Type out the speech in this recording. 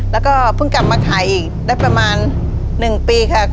แล้วก็เพิ่งกลับมาขายอีกได้ประมาณ๑ปีค่ะ